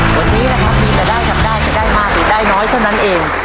วันนี้นะครับมีแต่ได้ทำได้จะได้มากหรือได้น้อยเท่านั้นเอง